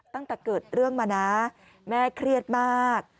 ตั้งแต่เกิดเรื่องมานะแม่เครียดมาก